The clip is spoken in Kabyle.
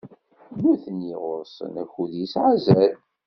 Nutni ɣur-sen akud yesɛa azal.